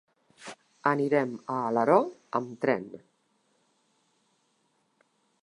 Anirem a Alaró amb tren.